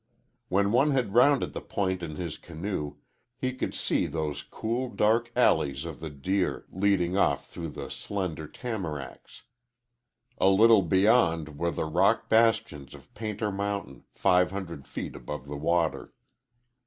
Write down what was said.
When one had rounded the point in his canoe, he could see into those cool, dark alleys of the deer, leading off through slender tamaracks. A little beyond were the rock bastions of Painter Mountain, five hundred' feet above the water.